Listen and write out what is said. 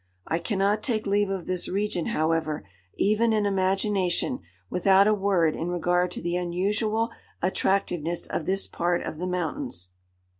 I cannot take leave of this region, however, even in imagination, without a word in regard to the unusual attractiveness of this part of the mountains.